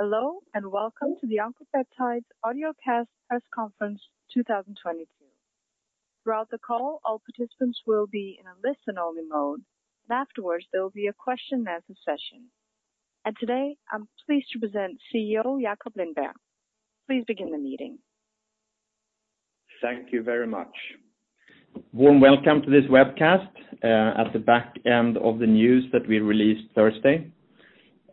Hello, and welcome to the Oncopeptides audiocast press conference 2022. Throughout the call, all participants will be in a listen-only mode, and afterwards, there will be a question and answer session. Today, I'm pleased to present CEO Jakob Lindberg. Please begin the meeting. Thank you very much. Warm welcome to this webcast at the back end of the news that we released Thursday.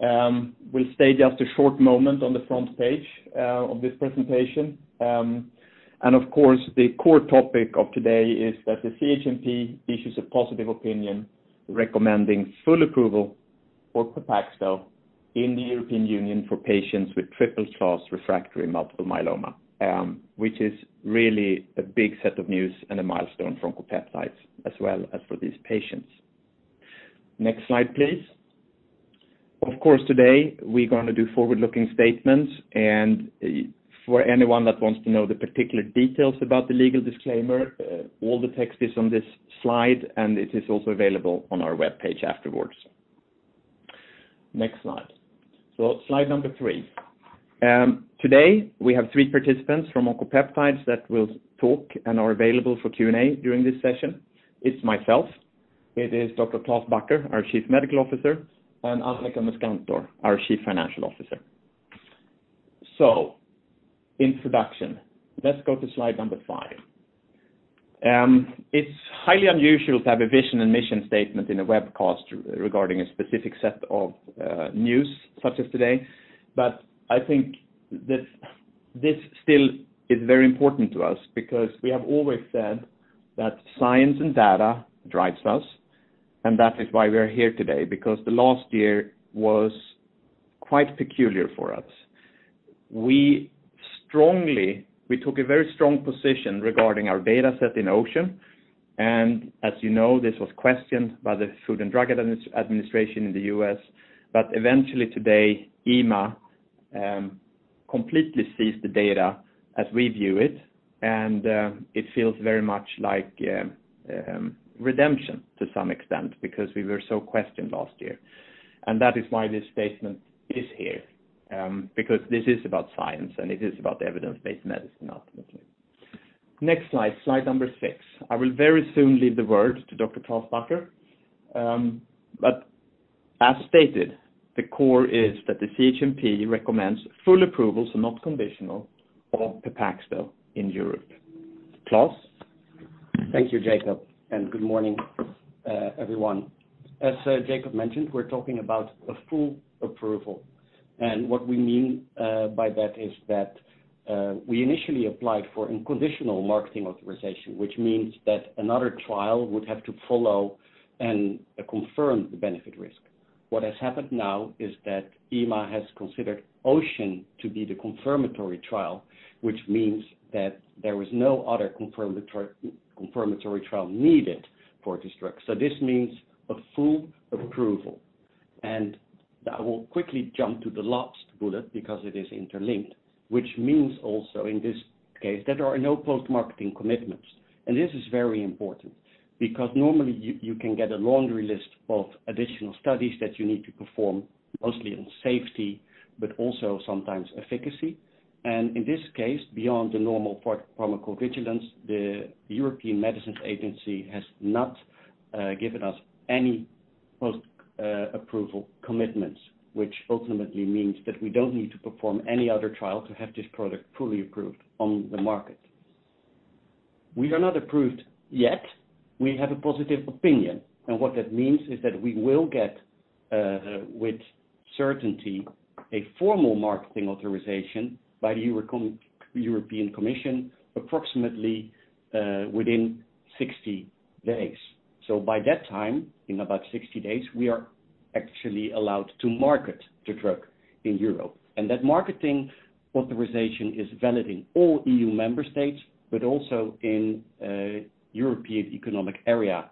We'll stay just a short moment on the front page of this presentation. Of course, the core topic of today is that the CHMP issues a positive opinion recommending full approval for Pepaxto in the European Union for patients with triple-class refractory multiple myeloma, which is really a big set of news and a milestone from Oncopeptides, as well as for these patients. Next slide, please. Of course, today, we're gonna do forward-looking statements, and for anyone that wants to know the particular details about the legal disclaimer, all the text is on this slide, and it is also available on our webpage afterwards. Next slide. Slide number three. Today we have three participants from Oncopeptides that will talk and are available for Q&A during this session. It's myself, Dr. Klaas Bakker, our Chief Medical Officer, and Annika Muskantor, our Chief Financial Officer. Introduction. Let's go to slide number five. It's highly unusual to have a vision and mission statement in a webcast regarding a specific set of news such as today. I think this still is very important to us because we have always said that science and data drives us, and that is why we are here today, because the last year was quite peculiar for us. We took a very strong position regarding our data set in OCEAN, and as you know, this was questioned by the Food and Drug Administration in the U.S. Eventually today, EMA completely sees the data as we view it, and it feels very much like redemption to some extent because we were so questioned last year. That is why this statement is here, because this is about science, and it is about evidence-based medicine, ultimately. Next slide number six. I will very soon leave the word to Dr. Klaas Bakker. As stated, the core is that the CHMP recommends full approval, so not conditional for Pepaxto in Europe. Klaas. Thank you, Jakob, and good morning, everyone. As Jakob mentioned, we're talking about a full approval. What we mean by that is that we initially applied for a conditional marketing authorization, which means that another trial would have to follow and confirm the benefit risk. What has happened now is that EMA has considered OCEAN to be the confirmatory trial, which means that there was no other confirmatory trial needed for this drug. This means a full approval. I will quickly jump to the last bullet because it is interlinked, which means also in this case, that there are no post-marketing commitments. This is very important because normally you can get a laundry list of additional studies that you need to perform, mostly on safety, but also sometimes efficacy. In this case, beyond the normal pharmacovigilance, the European Medicines Agency has not given us any post-approval commitments, which ultimately means that we don't need to perform any other trial to have this product fully approved on the market. We are not approved yet. We have a positive opinion, and what that means is that we will get with certainty a formal marketing authorization by the European Commission approximately within 60 days. By that time, in about 60 days, we are actually allowed to market the drug in Europe. That marketing authorization is valid in all EU member states, but also in European Economic Area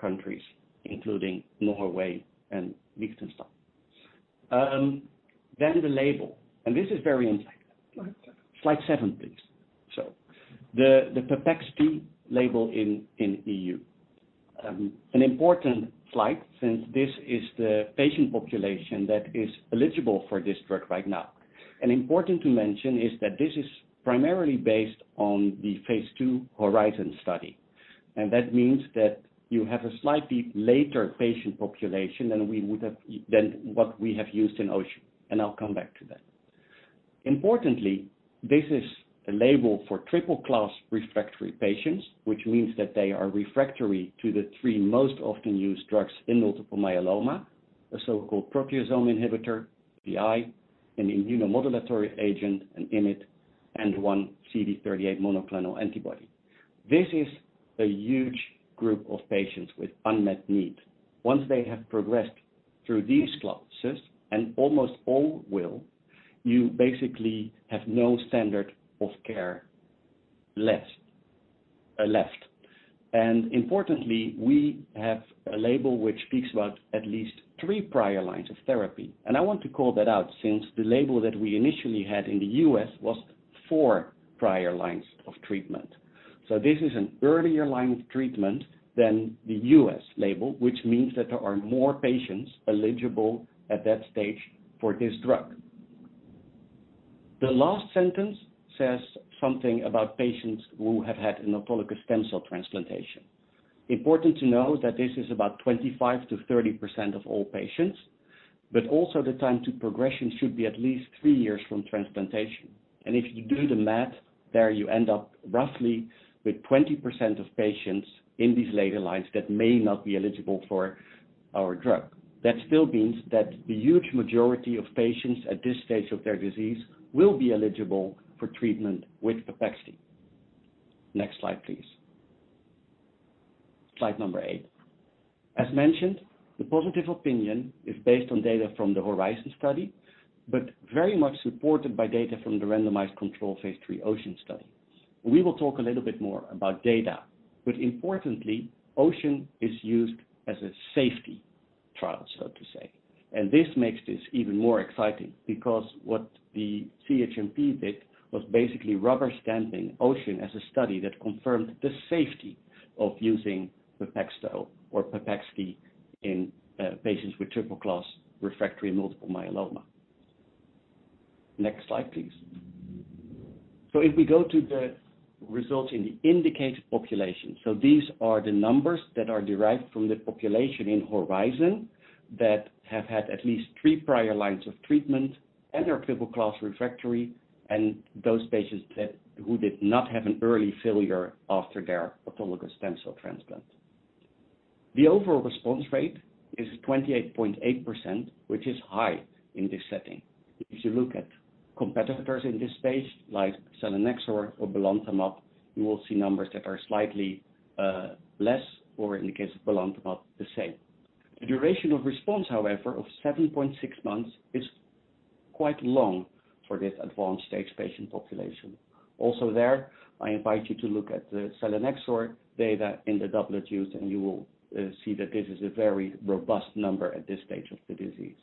countries, including Norway and Liechtenstein. Then the label, and this is very important. Slide seven, please. The Pepaxti label in EU. An important slide since this is the patient population that is eligible for this drug right now. Important to mention is that this is primarily based on the phase II HORIZON study. That means that you have a slightly later patient population than what we have used in OCEAN, and I'll come back to that. Importantly, this is a label for triple-class refractory patients, which means that they are refractory to the three most often used drugs in multiple myeloma, a so-called proteasome inhibitor, PI, an immunomodulatory agent, an IMiD, and one CD38 monoclonal antibody. This is a huge group of patients with unmet needs. Once they have progressed through these classes, and almost all will, you basically have no standard of care left. Importantly, we have a label which speaks about at least three prior lines of therapy. I want to call that out since the label that we initially had in the U.S. was four prior lines of treatment. This is an earlier line of treatment than the U.S. label, which means that there are more patients eligible at that stage for this drug. The last sentence says something about patients who have had an autologous stem cell transplantation. Important to know that this is about 25%-30% of all patients, but also the time to progression should be at least three years from transplantation. If you do the math there, you end up roughly with 20% of patients in these later lines that may not be eligible for our drug. That still means that the huge majority of patients at this stage of their disease will be eligible for treatment with Pepaxto. Next slide, please. Slide number eight. As mentioned, the positive opinion is based on data from the HORIZON study, but very much supported by data from the randomized controlled phase III OCEAN study. We will talk a little bit more about data, but importantly, OCEAN is used as a safety trial, so to say. This makes this even more exciting because what the CHMP did was basically rubber-stamping OCEAN as a study that confirmed the safety of using Pepaxto or Pepaxti in patients with triple-class refractory multiple myeloma. Next slide, please. So if we go to the results in the indicated population, so these are the numbers that are derived from the population in HORIZON that have had at least three prior lines of treatment and are triple-class refractory, and those patients who did not have an early failure after their autologous stem cell transplant. The overall response rate is 28.8%, which is high in this setting. If you look at competitors in this space, like Selinexor or Belantamab, you will see numbers that are slightly less or in the case of Belantamab, the same. The duration of response, however, of 7.6 months is quite long for this advanced-stage patient population. Also there, I invite you to look at the Selinexor data in the BOSTON study, and you will see that this is a very robust number at this stage of the disease.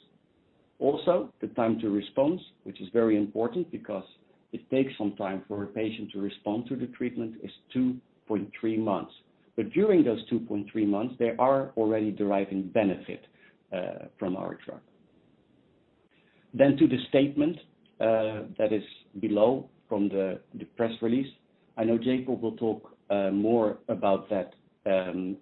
Also, the time to response, which is very important because it takes some time for a patient to respond to the treatment, is 2.3 months. During those 2.3 months, they are already deriving benefit from our drug. To the statement that is below from the press release. I know Jakob will talk more about that in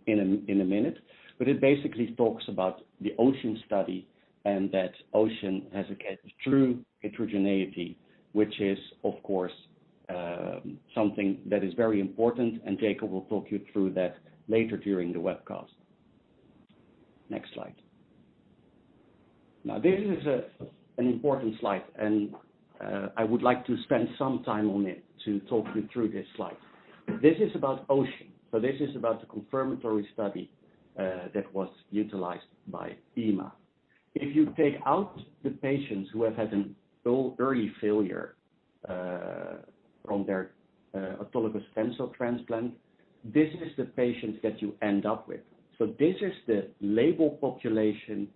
a minute. It basically talks about the OCEAN study and that OCEAN has a true heterogeneity, which is of course something that is very important, and Jakob will talk you through that later during the webcast. Next slide. Now, this is an important slide, and I would like to spend some time on it to talk you through this slide. This is about OCEAN, so this is about the confirmatory study that was utilized by EMA. If you take out the patients who have had an early failure from their autologous stem cell transplant, this is the patients that you end up with. So this is the label population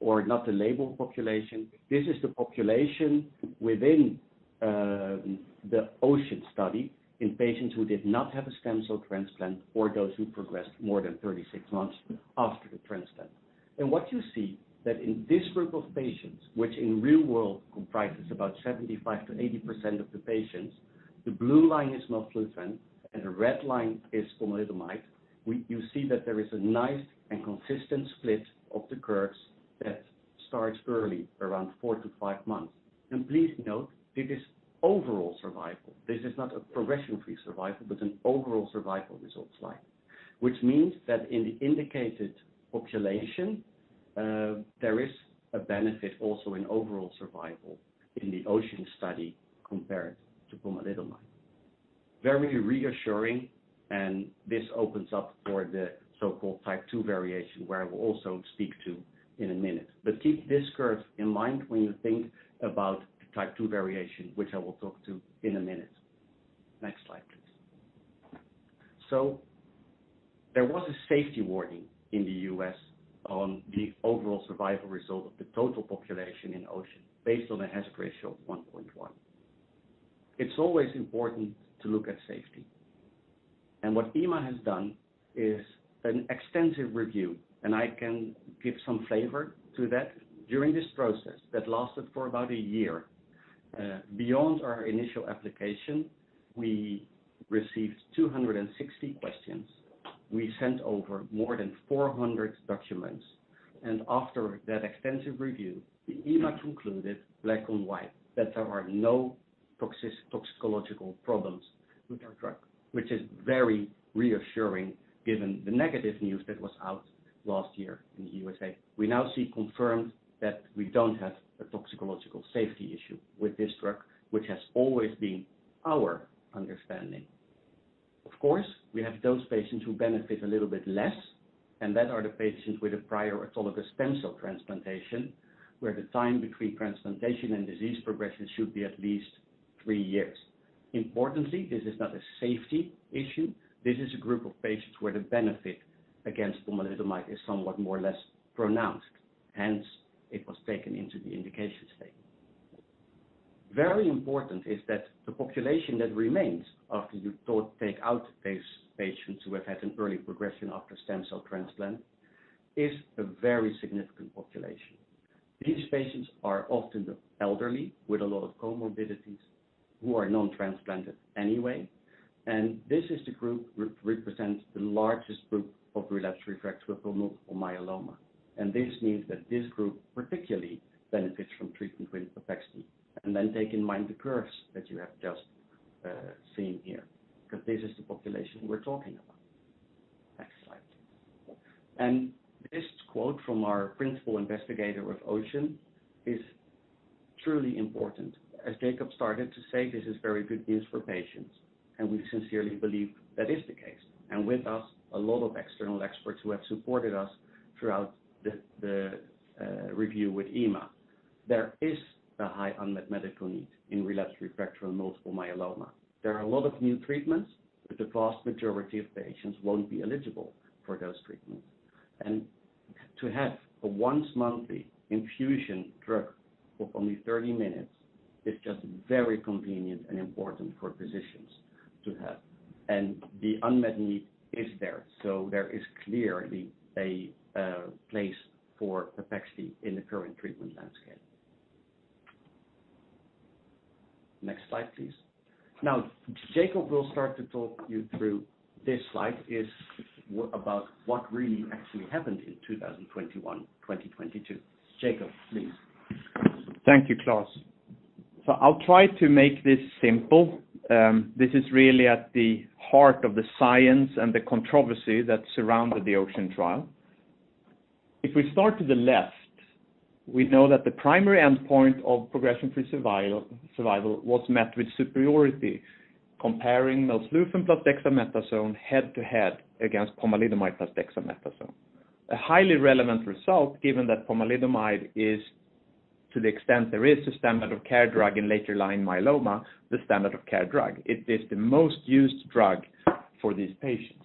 or not the label population. This is the population within, the OCEAN study in patients who did not have a stem cell transplant or those who progressed more than 36 months after the transplant. What you see that in this group of patients, which in real world comprises about 75%-80% of the patients, the blue line is melflufen and the red line is pomalidomide. You see that there is a nice and consistent split of the curves that starts early, around four to five months. Please note, this is overall survival. This is not a progression-free survival, but an overall survival results slide. Which means that in the indicated population, there is a benefit also in overall survival in the OCEAN study compared to pomalidomide. Very reassuring, and this opens up for the so-called Type II variation, where I will also speak to in a minute. Keep this curve in mind when you think about Type II variation, which I will talk to in a minute. Next slide, please. There was a safety warning in the U.S. on the overall survival result of the total population in OCEAN based on a hazard ratio of 1.1. It's always important to look at safety. What EMA has done is an extensive review, and I can give some flavor to that. During this process that lasted for about a year beyond our initial application, we received 260 questions. We sent over more than 400 documents. After that extensive review, the EMA concluded black on white that there are no toxicological problems with our drug, which is very reassuring given the negative news that was out last year in the USA. We now see confirmed that we don't have a toxicological safety issue with this drug, which has always been our understanding. Of course, we have those patients who benefit a little bit less, and that are the patients with a prior autologous stem cell transplantation, where the time between transplantation and disease progression should be at least three years. Importantly, this is not a safety issue. This is a group of patients where the benefit against Pomalidomide is somewhat more or less pronounced, hence it was taken into the indication statement. Very important is that the population that remains after you take out those patients who have had an early progression after stem cell transplant, is a very significant population. These patients are often the elderly with a lot of comorbidities who are non-transplanted anyway, and this is the group represents the largest group of relapsed refractory multiple myeloma. This means that this group particularly benefits from treatment with Pepaxti. Bear in mind the curves that you have just seen here, because this is the population we're talking about. Next slide. This quote from our principal investigator with OCEAN is truly important. As Jakob started to say, this is very good news for patients, and we sincerely believe that is the case. With us, a lot of external experts who have supported us throughout the review with EMA. There is a high unmet medical need in relapsed refractory multiple myeloma. There are a lot of new treatments, but the vast majority of patients won't be eligible for those treatments. To have a once monthly infusion drug of only 30 minutes is just very convenient and important for physicians to have. The unmet need is there. There is clearly a place for Pepaxti in the current treatment landscape. Next slide, please. Now, Jakob will start to talk you through this slide about what really actually happened in 2021, 2022. Jakob, please. Thank you, Klaas. I'll try to make this simple. This is really at the heart of the science and the controversy that surrounded the OCEAN trial. If we start to the left, we know that the primary endpoint of progression-free survival was met with superiority comparing melflufen plus dexamethasone head-to-head against pomalidomide plus dexamethasone. A highly relevant result given that pomalidomide is, to the extent there is a standard of care drug in later line myeloma, the standard of care drug. It is the most used drug for these patients.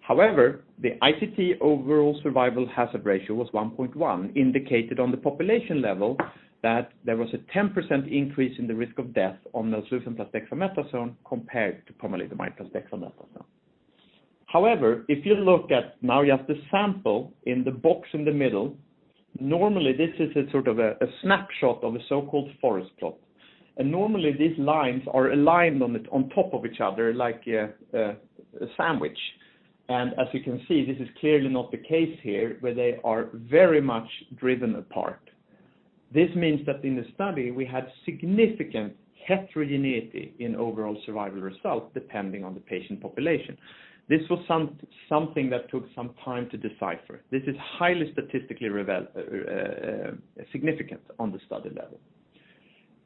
However, the ITT overall survival hazard ratio was 1.1, indicated on the population level that there was a 10% increase in the risk of death on melflufen plus dexamethasone compared to pomalidomide plus dexamethasone. However, if you look at now you have the sample in the box in the middle. Normally, this is a sort of a snapshot of a so-called forest plot. Normally these lines are aligned on it, on top of each other like a sandwich. As you can see, this is clearly not the case here, where they are very much driven apart. This means that in the study, we had significant heterogeneity in overall survival results depending on the patient population. This was something that took some time to decipher. This is highly statistically significant on the study level.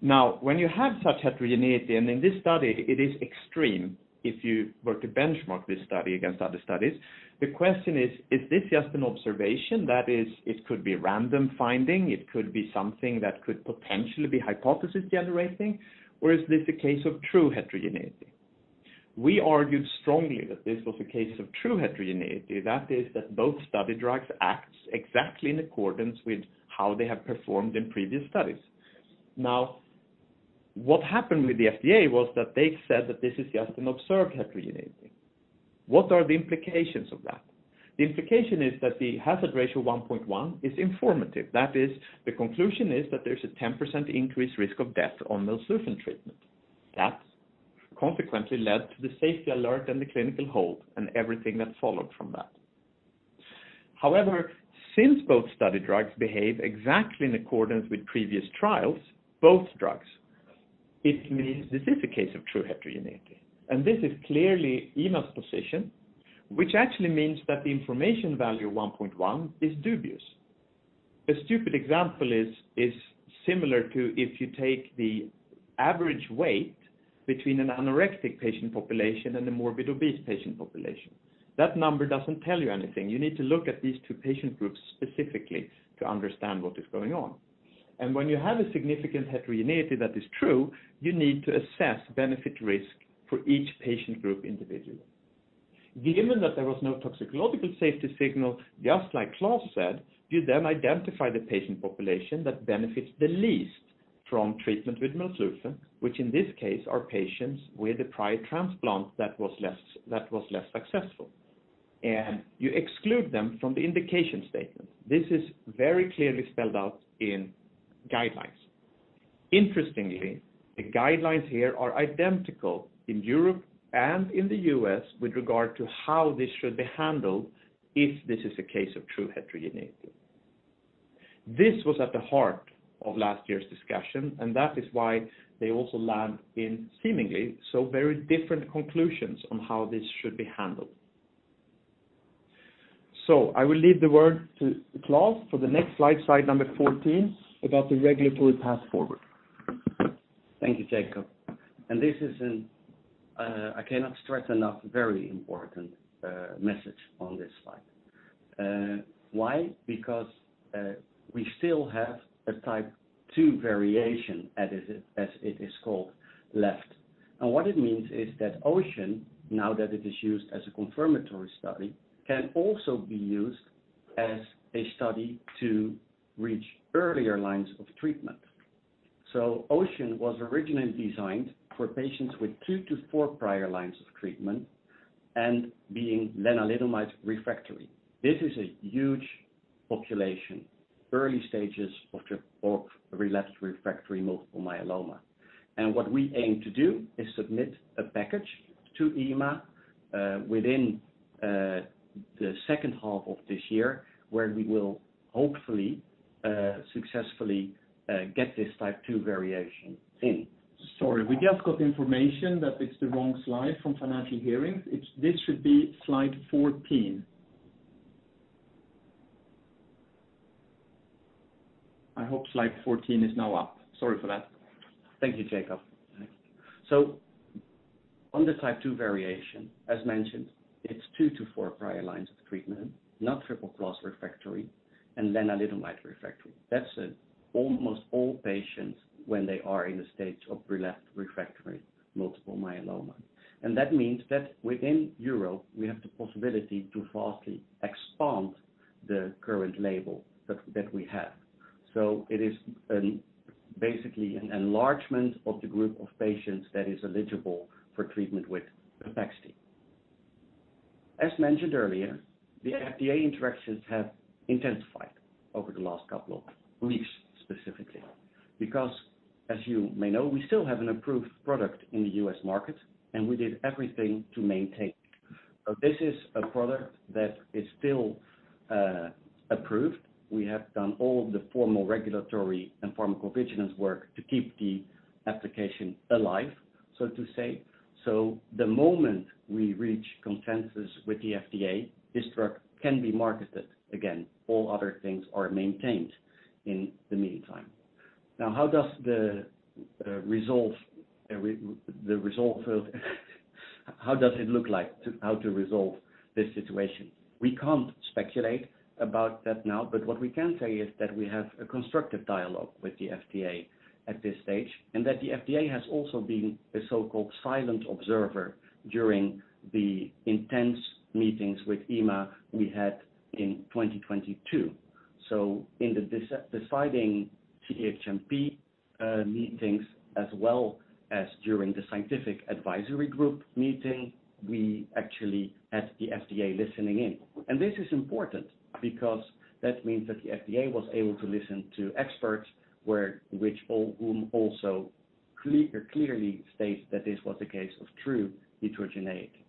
Now, when you have such heterogeneity, and in this study it is extreme if you were to benchmark this study against other studies, the question is. Is this just an observation? That is, it could be random finding, it could be something that could potentially be hypothesis-generating, or is this a case of true heterogeneity? We argued strongly that this was a case of true heterogeneity. That is, that both study drugs acts exactly in accordance with how they have performed in previous studies. Now, what happened with the FDA was that they said that this is just an observed heterogeneity. What are the implications of that? The implication is that the hazard ratio 1.1 is informative. That is, the conclusion is that there's a 10% increased risk of death on melflufen treatment. That consequently led to the safety alert and the clinical hold and everything that followed from that. However, since both study drugs behave exactly in accordance with previous trials, both drugs, it means this is a case of true heterogeneity. This is clearly EMA's position, which actually means that the information value 1.1 is dubious. A stupid example is similar to if you take the average weight between an anorexic patient population and a morbidly obese patient population. That number doesn't tell you anything. You need to look at these two patient groups specifically to understand what is going on. When you have a significant true heterogeneity, you need to assess benefit risk for each patient group individually. Given that there was no toxicological safety signal, just like Klaas said, you then identify the patient population that benefits the least from treatment with melflufen, which in this case are patients with a prior transplant that was less successful. You exclude them from the indication statement. This is very clearly spelled out in guidelines. Interestingly, the guidelines here are identical in Europe and in the U.S. with regard to how this should be handled if this is a case of true heterogeneity. This was at the heart of last year's discussion, and that is why they also land in seemingly so very different conclusions on how this should be handled. I will leave the word to Klaas for the next slide number 14, about the regulatory path forward. Thank you, Jakob. This is an, I cannot stress enough, very important message on this slide. Why? Because we still have a Type II variation, as it is called left. What it means is that OCEAN, now that it is used as a confirmatory study, can also be used as a study to reach earlier lines of treatment. OCEAN was originally designed for patients with two to four prior lines of treatment and being lenalidomide refractory. This is a huge population, early stages of relapsed refractory multiple myeloma. What we aim to do is submit a package to EMA within the second half of this year, where we will hopefully successfully get this Type II variation in. Sorry, we just got information that it's the wrong slide from financial hearing. This should be slide 14. I hope slide 14 is now up. Sorry for that. Thank you, Jakob. On the Type II variation, as mentioned, it's two to four prior lines of treatment, not triple class refractory, and lenalidomide refractory. That's almost all patients when they are in a state of relapsed refractory multiple myeloma. That means that within Europe, we have the possibility to vastly expand the current label that we have. It is basically an enlargement of the group of patients that is eligible for treatment with Pepaxti. As mentioned earlier, the FDA interactions have intensified over the last couple of weeks, specifically. Because, as you may know, we still have an approved product in the U.S. market, and we did everything to maintain it. This is a product that is still approved. We have done all the formal regulatory and pharmacovigilance work to keep the application alive, so to say. The moment we reach consensus with the FDA, this drug can be marketed again. All other things are maintained in the meantime. Now, how to resolve this situation? We can't speculate about that now, but what we can say is that we have a constructive dialogue with the FDA at this stage, and that the FDA has also been a so-called silent observer during the intense meetings with EMA we had in 2022. In the deciding CHMP meetings, as well as during the scientific advisory group meeting, we actually had the FDA listening in. This is important because that means that the FDA was able to listen to experts who all clearly state that this was a case of true heterogeneity.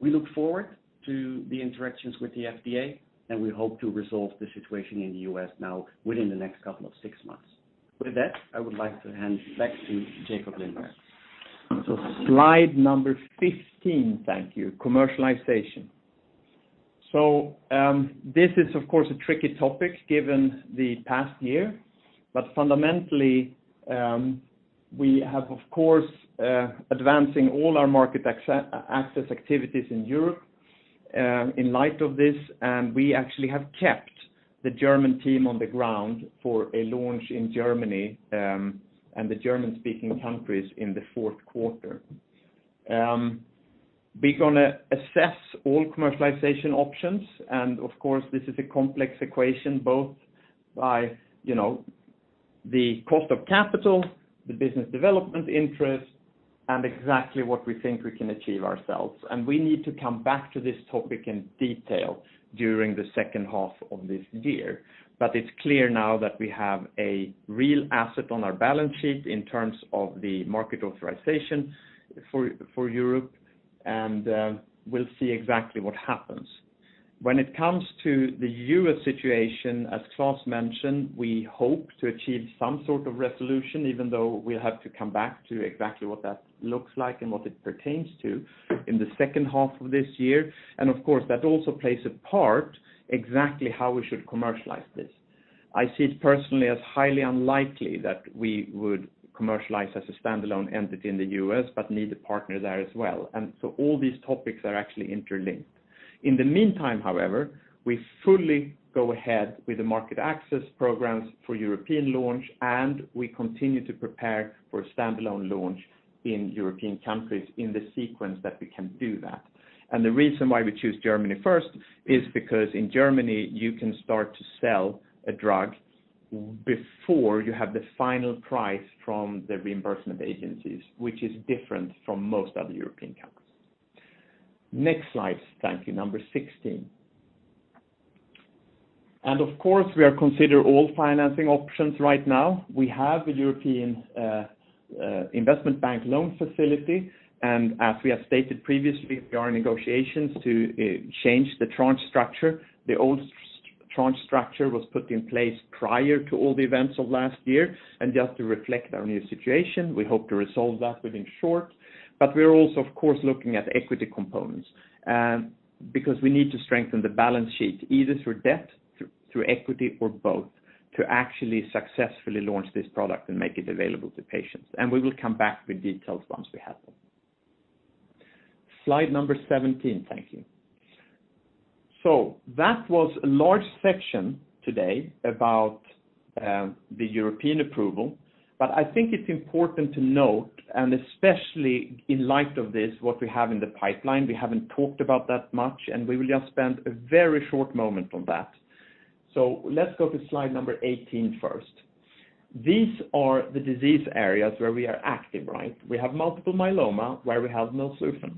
We look forward to the interactions with the FDA, and we hope to resolve the situation in the U.S. now within the next couple of six months. With that, I would like to hand back to Jakob Lindberg. Slide number 15, thank you. Commercialization. This is, of course, a tricky topic given the past year. Fundamentally, we have, of course, advancing all our market access activities in Europe. In light of this, we actually have kept the German team on the ground for a launch in Germany, and the German-speaking countries in the fourth quarter. We're gonna assess all commercialization options. Of course, this is a complex equation, both by, you know, the cost of capital, the business development interest, and exactly what we think we can achieve ourselves. We need to come back to this topic in detail during the second half of this year. It's clear now that we have a real asset on our balance sheet in terms of the market authorization for Europe, and we'll see exactly what happens. When it comes to the U.S. situation, as Klaas mentioned, we hope to achieve some sort of resolution, even though we have to come back to exactly what that looks like and what it pertains to in the second half of this year. Of course, that also plays a part exactly how we should commercialize this. I see it personally as highly unlikely that we would commercialize as a standalone entity in the U.S., but need a partner there as well. All these topics are actually interlinked. In the meantime, however, we fully go ahead with the market access programs for European launch, and we continue to prepare for a standalone launch in European countries in the sequence that we can do that. The reason why we choose Germany first is because in Germany, you can start to sell a drug before you have the final price from the reimbursement agencies, which is different from most other European countries. Next slide, thank you. Number 16. Of course, we are considering all financing options right now. We have a European Investment Bank loan facility. As we have stated previously, we are in negotiations to change the tranche structure. The old tranche structure was put in place prior to all the events of last year. Just to reflect our new situation, we hope to resolve that within short. We're also, of course, looking at equity components, because we need to strengthen the balance sheet, either through debt, through equity or both, to actually successfully launch this product and make it available to patients. We will come back with details once we have them. Slide number 17, thank you. That was a large section today about the European approval. I think it's important to note, and especially in light of this, what we have in the pipeline, we haven't talked about that much, and we will just spend a very short moment on that. Let's go to slide number 18 first. These are the disease areas where we are active, right? We have multiple myeloma where we have melflufen.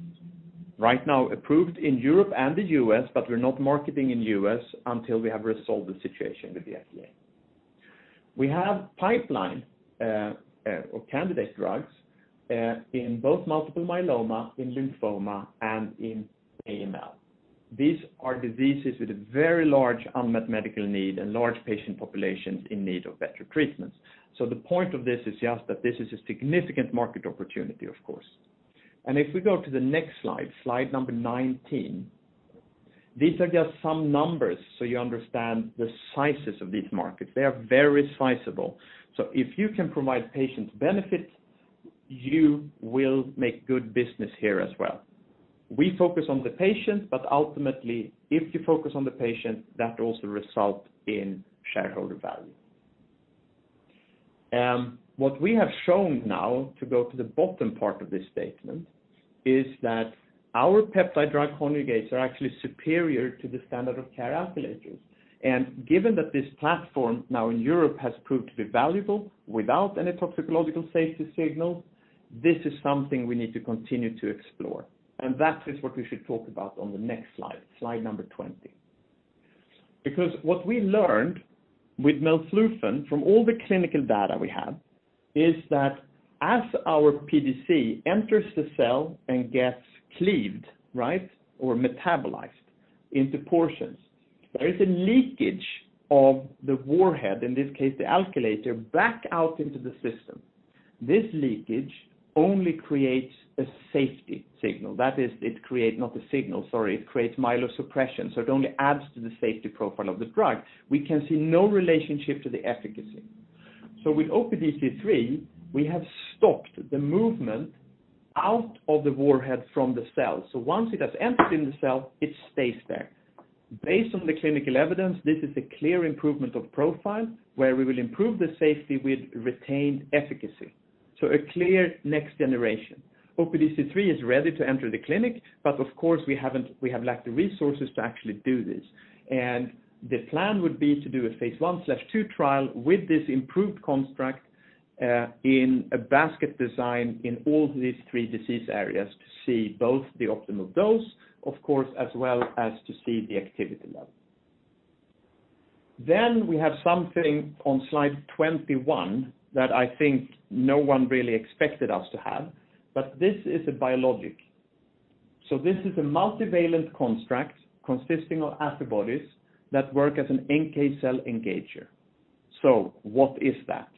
Right now approved in Europe and the U.S., but we're not marketing in U.S. until we have resolved the situation with the FDA. We have pipeline or candidate drugs in both multiple myeloma, in lymphoma, and in AML. These are diseases with a very large unmet medical need and large patient populations in need of better treatments. The point of this is just that this is a significant market opportunity, of course. If we go to the next slide number 19. These are just some numbers, so you understand the sizes of these markets. They are very sizable. If you can provide patients benefit, you will make good business here as well. We focus on the patient, but ultimately, if you focus on the patient, that also result in shareholder value. What we have shown now to go to the bottom part of this statement is that our Peptide Drug Conjugates are actually superior to the standard of care alkylators. Given that this platform now in Europe has proved to be valuable without any toxicological safety signal, this is something we need to continue to explore. That is what we should talk about on the next slide number 20. What we learned with melflufen from all the clinical data we have is that as our PDC enters the cell and gets cleaved, right, or metabolized into portions, there is a leakage of the warhead, in this case, the alkylator, back out into the system. This leakage only creates a safety signal. That is, it creates myelosuppression. It only adds to the safety profile of the drug. We can see no relationship to the efficacy. With OPD5, we have stopped the movement out of the warhead from the cell. Once it has entered in the cell, it stays there. Based on the clinical evidence, this is a clear improvement of profile where we will improve the safety with retained efficacy. A clear next generation. OPD5 is ready to enter the clinic, but of course, we have lacked the resources to actually do this. The plan would be to do a phase I/II trial with this improved construct in a basket trial in all these three disease areas to see both the optimal dose, of course, as well as to see the activity level. We have something on slide 21 that I think no one really expected us to have, but this is a biologic. This is a multivalent construct consisting of antibodies that work as an NK cell engager. What is that?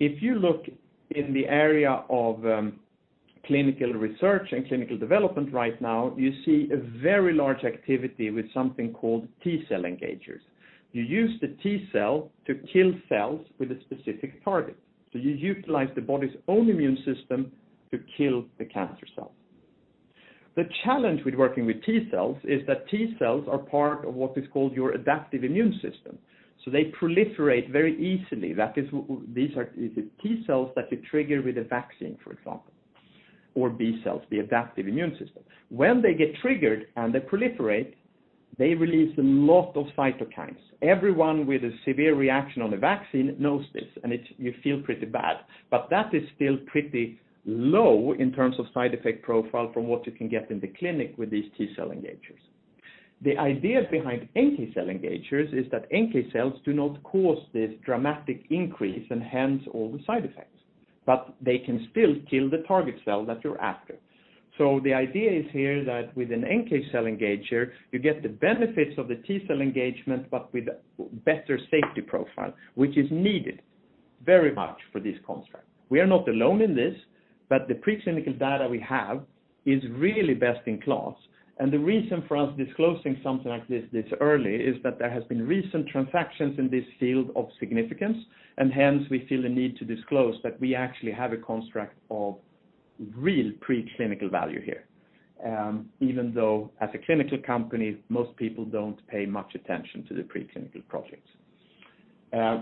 If you look in the area of clinical research and clinical development right now, you see a very large activity with something called T-cell engagers. You use the T-cell to kill cells with a specific target. You utilize the body's own immune system to kill the cancer cell. The challenge with working with T-cells is that T-cells are part of what is called your adaptive immune system. They proliferate very easily. That is these are the T-cells that you trigger with a vaccine, for example, or B-cells, the adaptive immune system. When they get triggered and they proliferate, they release a lot of cytokines. Everyone with a severe reaction on a vaccine knows this, and you feel pretty bad. That is still pretty low in terms of side effect profile from what you can get in the clinic with these T-cell engagers. The idea behind NK cell engagers is that NK cells do not cause this dramatic increase and hence all the side effects, but they can still kill the target cell that you're after. The idea is here that with an NK cell engager, you get the benefits of the T-cell engagement, but with better safety profile, which is needed very much for this construct. We are not alone in this, but the pre-clinical data we have is really best in class. The reason for us disclosing something like this early is that there has been recent transactions in this field of significance. Hence, we feel the need to disclose that we actually have a construct of real pre-clinical value here. Even though as a clinical company, most people don't pay much attention to the pre-clinical projects.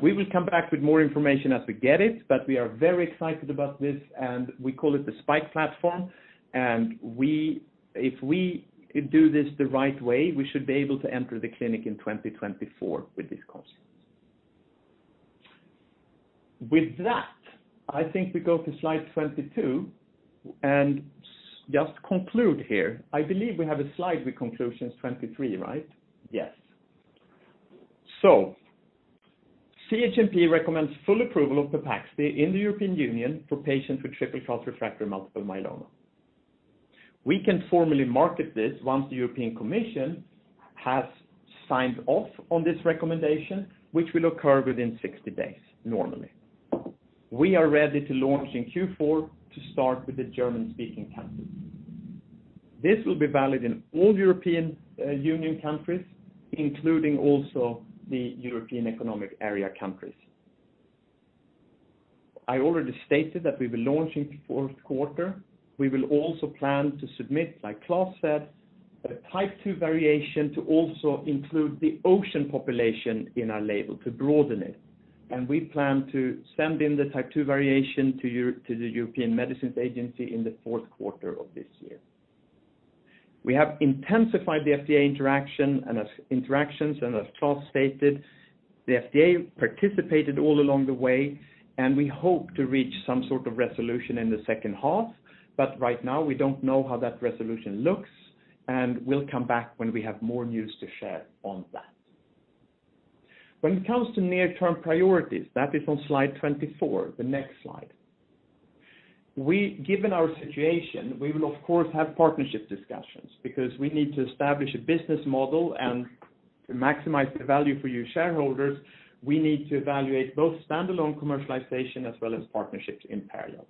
We will come back with more information as we get it, but we are very excited about this, and we call it the SPiKE platform. If we do this the right way, we should be able to enter the clinic in 2024 with this construct. With that, I think we go to slide 22 and just conclude here. I believe we have a slide with conclusions 23, right? Yes. CHMP recommends full approval of Pepaxti in the European Union for patients with triple-class refractory multiple myeloma. We can formally market this once the European Commission has signed off on this recommendation, which will occur within 60 days, normally. We are ready to launch in Q4 to start with the German-speaking countries. This will be valid in all European Union countries, including also the European Economic Area countries. I already stated that we were launching fourth quarter. We will also plan to submit, like Klaas said, a Type II variation to also include the OCEAN population in our label to broaden it. We plan to send in the Type II variation to the European Medicines Agency in the fourth quarter of this year. We have intensified the FDA interactions, as Klaas stated, the FDA participated all along the way, and we hope to reach some sort of resolution in the second half. Right now, we don't know how that resolution looks, and we'll come back when we have more news to share on that. When it comes to near-term priorities, that is on slide 24, the next slide. Given our situation, we will of course have partnership discussions because we need to establish a business model and to maximize the value for you shareholders, we need to evaluate both stand-alone commercialization as well as partnerships in parallel.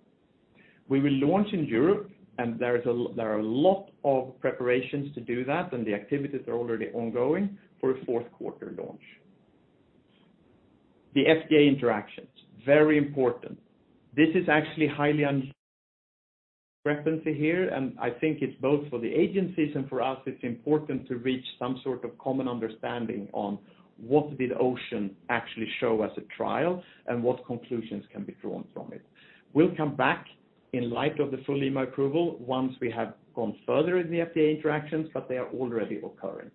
We will launch in Europe, and there are a lot of preparations to do that, and the activities are already ongoing for a fourth quarter launch. The FDA interactions, very important. This is actually highly unprecedented here, and I think it's both for the agencies and for us, it's important to reach some sort of common understanding on what the OCEAN actually showed as a trial and what conclusions can be drawn from it. We'll come back in light of the full EMA approval once we have gone further in the FDA interactions, but they are already occurring.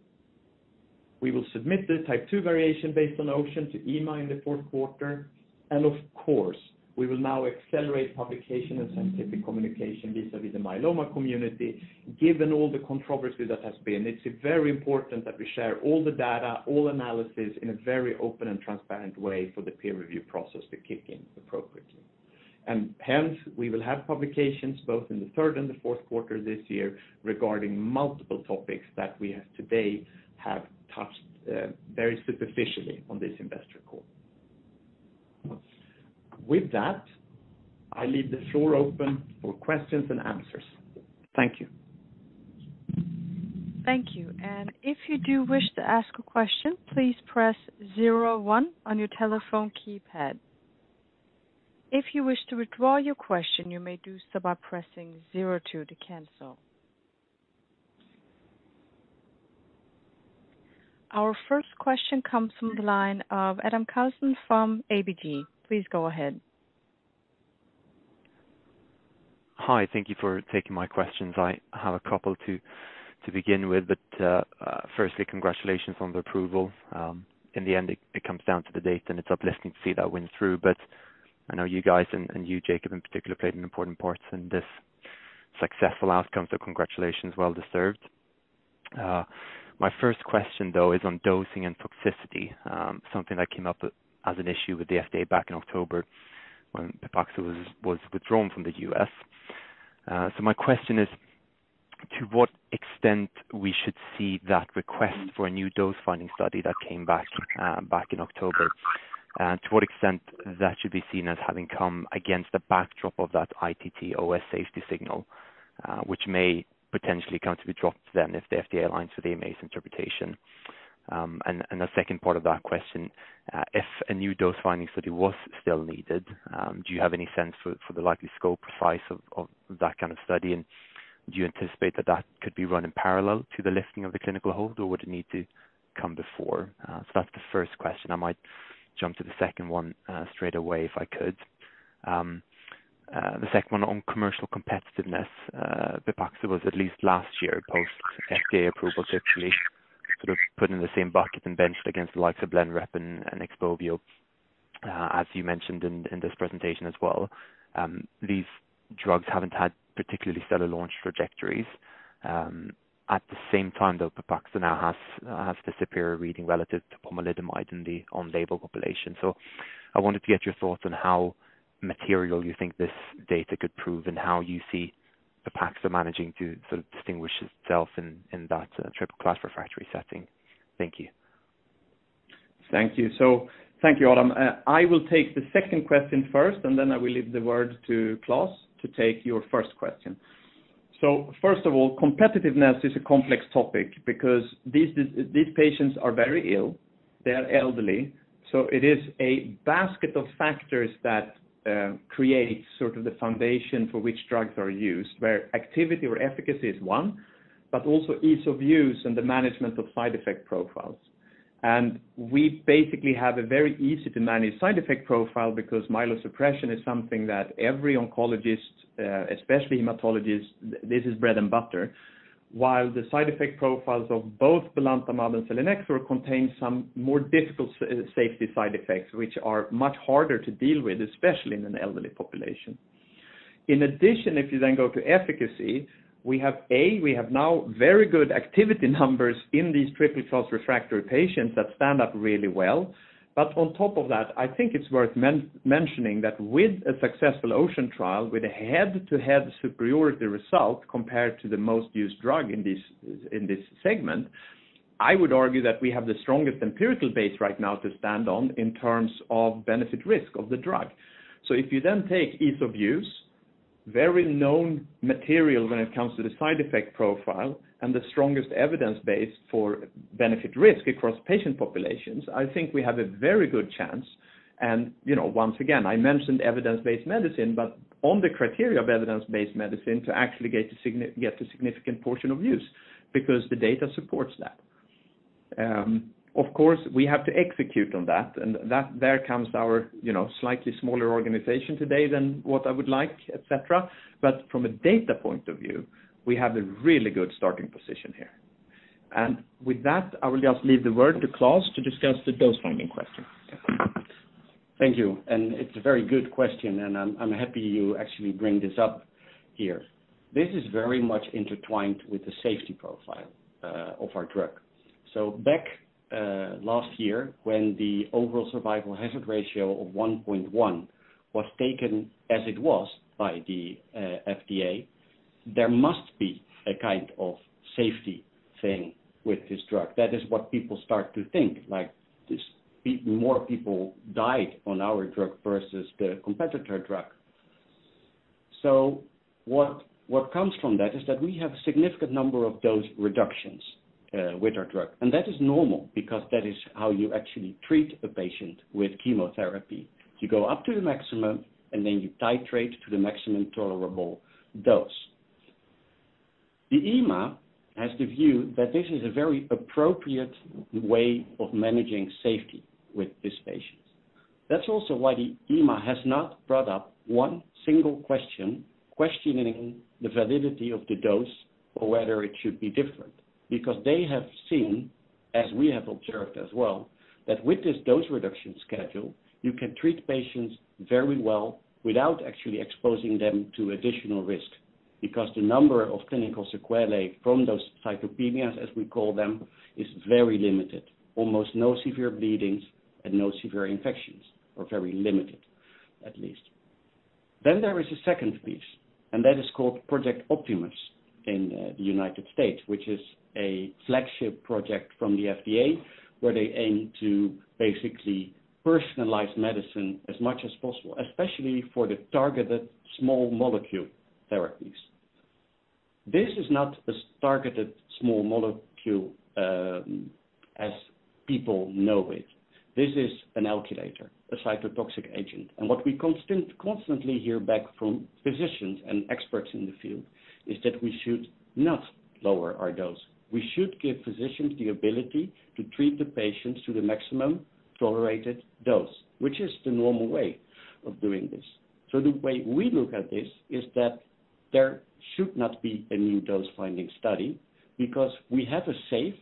We will submit the Type II variation based on OCEAN to EMA in the fourth quarter. Of course, we will now accelerate publication and scientific communication vis-à-vis the myeloma community. Given all the controversy that has been, it's very important that we share all the data, all analysis in a very open and transparent way for the peer review process to kick in appropriately. Hence, we will have publications both in the third and the fourth quarter this year regarding multiple topics that we have today have touched, very superficially on this investor call. With that, I leave the floor open for questions and answers. Thank you. Thank you. If you do wish to ask a question, please press zero one on your telephone keypad. If you wish to withdraw your question, you may do so by pressing zero two to cancel. Our first question comes from the line of Adam Karlsson from ABG. Please go ahead. Hi. Thank you for taking my questions. I have a couple to begin with, firstly, congratulations on the approval. In the end, it comes down to the date, and it's uplifting to see that went through. I know you guys and you, Jakob, in particular, played an important part in this successful outcome. Congratulations. Well deserved. My first question is on dosing and toxicity. Something that came up as an issue with the FDA back in October when Pepaxto was withdrawn from the U.S. My question is, to what extent we should see that request for a new dose-finding study that came back in October? To what extent that should be seen as having come against the backdrop of that ITT OS safety signal, which may potentially come to be dropped then if the FDA aligns with the EMA's interpretation. The second part of that question, if a new dose-finding study was still needed, do you have any sense for the likely scope or size of that kind of study? Do you anticipate that could be run in parallel to the lifting of the clinical hold, or would it need to come before? That's the first question. I might jump to the second one straight away, if I could. The second one on commercial competitiveness. Pepaxto was at least last year post FDA approval, virtually sort of put in the same bucket and benched against the likes of Blenrep and Xpovio. As you mentioned in this presentation as well, these drugs haven't had particularly stellar launch trajectories. At the same time, though, Pepaxto now has the superior reading relative to pomalidomide in the on-label population. I wanted to get your thoughts on how material you think this data could prove and how you see Pepaxto managing to sort of distinguish itself in that triple-class refractory setting. Thank you. Thank you. Thank you, Adam. I will take the second question first, and then I will leave the floor to Klaas to take your first question. First of all, competitiveness is a complex topic because these patients are very ill, they are elderly. It is a basket of factors that create sort of the foundation for which drugs are used, where activity or efficacy is one, but also ease of use and the management of side effect profiles. We basically have a very easy-to-manage side effect profile because myelosuppression is something that every oncologist, especially hematologist, this is bread and butter. While the side effect profiles of both Belantamab and Selinexor contain some more difficult safety side effects, which are much harder to deal with, especially in an elderly population. In addition, if you then go to efficacy, we have now very good activity numbers in these triple-class refractory patients that stand up really well. On top of that, I think it's worth mentioning that with a successful OCEAN trial, with a head-to-head superiority result compared to the most used drug in this, in this segment, I would argue that we have the strongest empirical base right now to stand on in terms of benefit-risk of the drug. If you then take ease of use, very known material when it comes to the side effect profile and the strongest evidence base for benefit-risk across patient populations. I think we have a very good chance and, you know, once again, I mentioned evidence-based medicine, but on the criteria of evidence-based medicine to actually get a significant portion of use because the data supports that. Of course, we have to execute on that, and that comes our, you know, slightly smaller organization today than what I would like, et cetera. From a data point of view, we have a really good starting position here. With that, I will just leave the word to Klaas to discuss the dose-finding question. Thank you. It's a very good question, and I'm happy you actually bring this up here. This is very much intertwined with the safety profile of our drug. Back last year, when the overall survival hazard ratio of 1.1 was taken, as it was by the FDA, there must be a kind of safety thing with this drug. That is what people start to think, like this, more people died on our drug versus the competitor drug. What comes from that is that we have significant number of dose reductions with our drug. That is normal because that is how you actually treat a patient with chemotherapy. You go up to the maximum, and then you titrate to the maximum tolerable dose. The EMA has the view that this is a very appropriate way of managing safety with these patients. That's also why the EMA has not brought up one single question questioning the validity of the dose or whether it should be different. Because they have seen, as we have observed as well, that with this dose reduction schedule, you can treat patients very well without actually exposing them to additional risk. Because the number of clinical sequela from those cytopenias, as we call them, is very limited. Almost no severe bleedings and no severe infections or very limited at least. There is a second piece, and that is called Project Optimus in the United States, which is a flagship project from the FDA, where they aim to basically personalize medicine as much as possible, especially for the targeted small molecule therapies. This is not a site-targeted small molecule as people know it. This is an alkylator, a cytotoxic agent. What we constantly hear back from physicians and experts in the field is that we should not lower our dose. We should give physicians the ability to treat the patients to the maximum tolerated dose, which is the normal way of doing this. The way we look at this is that there should not be a new dose-finding study because we have a safe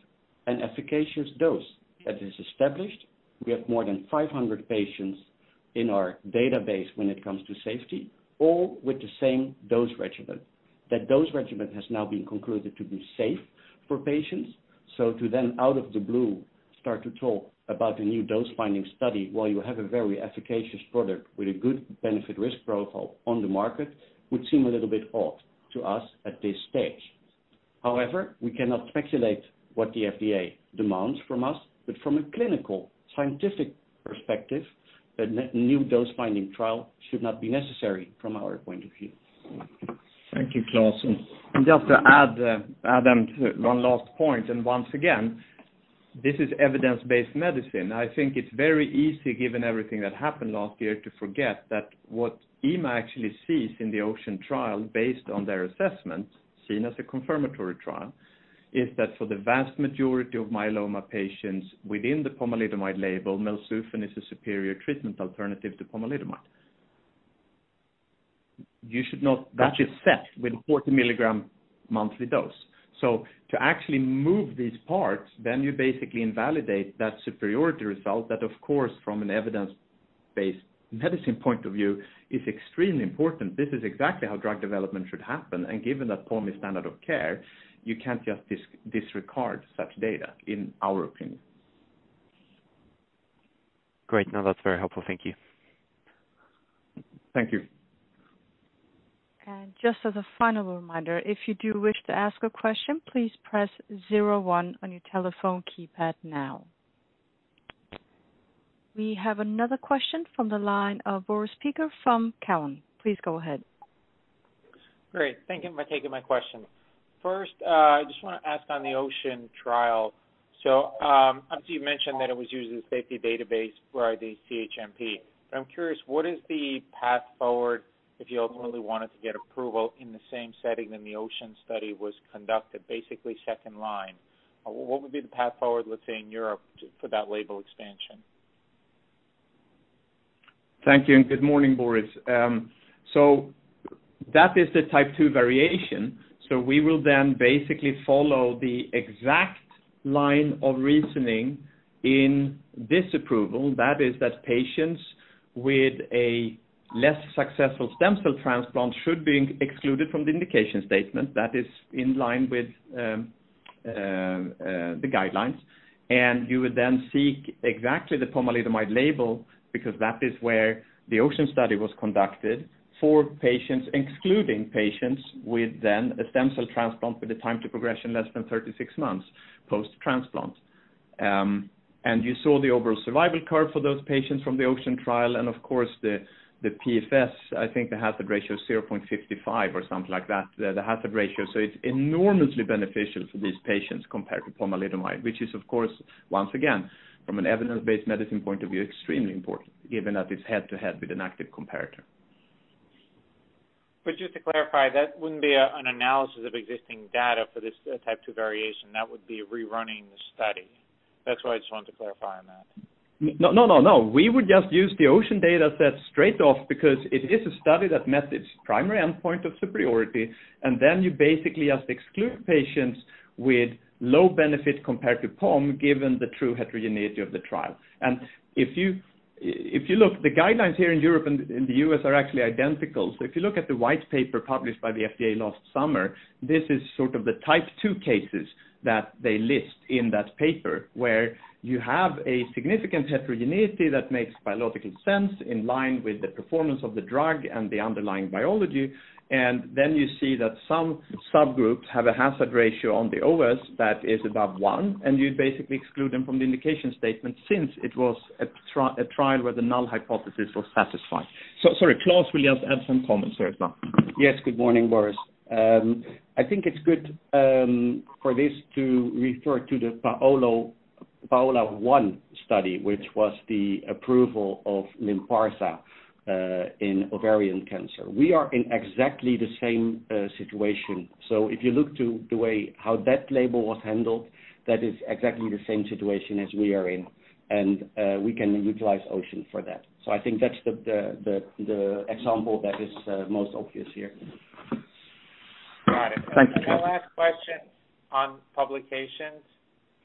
and efficacious dose that is established. We have more than 500 patients in our database when it comes to safety, all with the same dose regimen. That dose regimen has now been concluded to be safe for patients. To then out of the blue, start to talk about a new dose-finding study while you have a very efficacious product with a good benefit risk profile on the market would seem a little bit odd to us at this stage. However, we cannot speculate what the FDA demands from us, but from a clinical scientific perspective, a new dose-finding trial should not be necessary from our point of view. Thank you, Klaas. Just to add, Adam, one last point, and once again, this is evidence-based medicine. I think it's very easy, given everything that happened last year, to forget that what EMA actually sees in the OCEAN trial based on their assessment, seen as a confirmatory trial, is that for the vast majority of myeloma patients within the pomalidomide label, melflufen is a superior treatment alternative to pomalidomide. That is set with 40 mg monthly dose. To actually move these patients, you basically invalidate that superiority result. That, of course, from an evidence-based medicine point of view, is extremely important. This is exactly how drug development should happen. Given that pomalidomide standard of care, you can't just disregard such data in our opinion. Great. No, that's very helpful. Thank you. Thank you. Just as a final reminder, if you do wish to ask a question, please press zero one on your telephone keypad now. We have another question from the line of Boris Peaker from Cowen. Please go ahead. Great. Thank you for taking my question. First, I just wanna ask on the OCEAN trial. So, as you mentioned that it was used as safety database for the CHMP. I'm curious, what is the path forward if you ultimately wanted to get approval in the same setting than the OCEAN study was conducted, basically second line? What would be the path forward, let's say, in Europe for that label expansion? Thank you, and good morning, Boris. That is the Type II variation. We will then basically follow the exact line of reasoning in this approval. That is that patients with a less successful stem cell transplant should be excluded from the indication statement. That is in line with the guidelines. You would then seek exactly the pomalidomide label because that is where the OCEAN study was conducted for patients, excluding patients with then a stem cell transplant with a time to progression less than 36 months post-transplant. You saw the overall survival curve for those patients from the OCEAN trial and of course the PFS. I think the hazard ratio is 0.55 or something like that, the hazard ratio. It's enormously beneficial for these patients compared to pomalidomide, which is of course, once again, from an evidence-based medicine point of view, extremely important given that it's head-to-head with an active comparator. Just to clarify, that wouldn't be an analysis of existing data for this Type II variation. That would be rerunning the study. That's why I just wanted to clarify on that. No, no, no. We would just use the OCEAN data set straight off because it is a study that met its primary endpoint of superiority, and then you basically just exclude patients with low benefit compared to pom, given the true heterogeneity of the trial. If you look, the guidelines here in Europe and in the U.S. are actually identical. If you look at the white paper published by the FDA last summer, this is sort of the type two cases that they list in that paper. Where you have a significant heterogeneity that makes biological sense in line with the performance of the drug and the underlying biology. Then you see that some subgroups have a hazard ratio on the OS that is above one, and you basically exclude them from the indication statement since it was a trial where the null hypothesis was satisfied. Sorry, Klaas will just add some comments there as well. Yes. Good morning, Boris. I think it's good for this to refer to the PAOLA-1 study, which was the approval of Lynparza in ovarian cancer. We are in exactly the same situation. If you look to the way how that label was handled, that is exactly the same situation as we are in, and we can utilize OCEAN for that. I think that's the example that is most obvious here. Got it. Thank you. My last question on publications.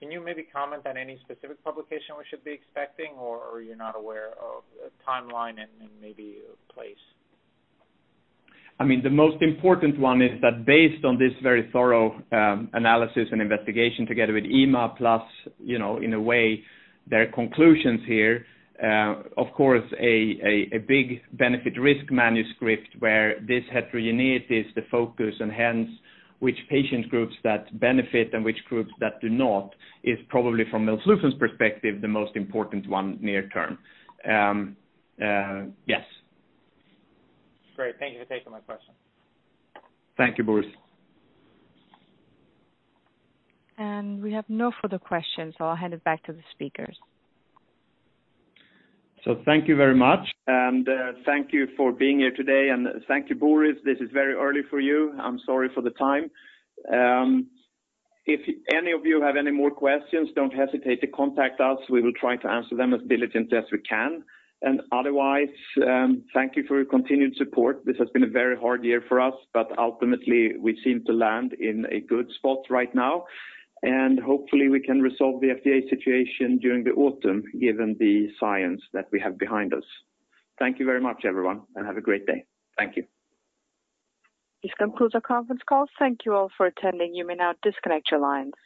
Can you maybe comment on any specific publication we should be expecting, or you're not aware of timeline and maybe a place? I mean, the most important one is that based on this very thorough analysis and investigation together with EMA plus, you know, in a way, their conclusions here, of course, a big benefit-risk assessment where this heterogeneity is the focus and hence which patient groups that benefit and which groups that do not is probably from melflufen's perspective, the most important one near-term. Yes. Great. Thank you for taking my question. Thank you, Boris. We have no further questions, so I'll hand it back to the speakers. Thank you very much, and thank you for being here today. Thank you, Boris. This is very early for you. I'm sorry for the time. If any of you have any more questions, don't hesitate to contact us. We will try to answer them as diligent as we can. Otherwise, thank you for your continued support. This has been a very hard year for us, but ultimately, we seem to land in a good spot right now. Hopefully we can resolve the FDA situation during the autumn, given the science that we have behind us. Thank you very much, everyone, and have a great day. Thank you. This concludes our conference call. Thank you all for attending. You may now disconnect your lines.